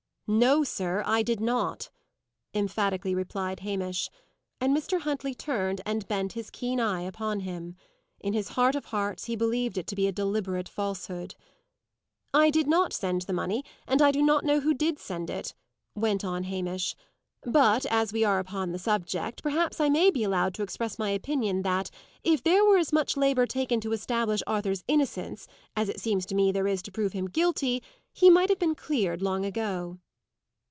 "No, sir, I did not," emphatically replied Hamish. And Mr. Huntley turned and bent his keen eye upon him. In his heart of hearts he believed it to be a deliberate falsehood. "I did not send the money, and I do not know who did send it," went on Hamish. "But, as we are upon the subject, perhaps I may be allowed to express my opinion that, if there were as much labour taken to establish Arthur's innocence, as it seems to me there is to prove him guilty, he might have been cleared long ago."